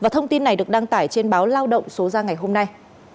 thông tin này được đăng tải trên báo lao động số ra ngày hôm nay